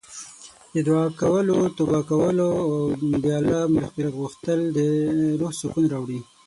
د دعا کولو، توبه کولو او د الله مغفرت غوښتل د روح سکون راوړي.